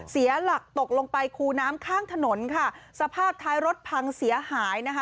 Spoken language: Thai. เสียหลักตกลงไปคูน้ำข้างถนนค่ะสภาพท้ายรถพังเสียหายนะคะ